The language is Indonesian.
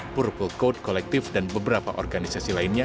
purple code collective dan beberapa organisasi lainnya